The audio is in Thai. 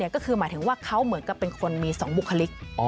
ก็คือหมายถึงว่าเขาเหมือนกับเป็นคนมี๒บุคลิก